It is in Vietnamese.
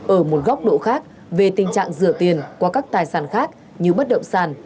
ở một góc độ khác về tình trạng rửa tiền qua các tài sản khác như bất động sản